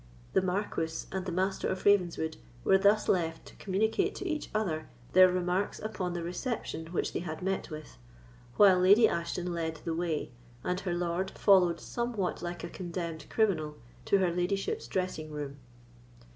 The Marquis and the Master of Ravenswood were thus left to communicate to each other their remarks upon the reception which they had met with, while Lady Ashton led the way, and her lord followed somewhat like a condemned criminal, to her ladyship's dressing room.